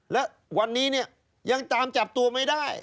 และวันนี้เนี่ยยังตามจับตัวไม่ได้